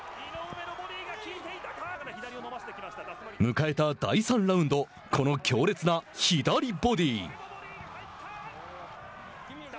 迎えた第３ラウンドこの強烈な左ボディー。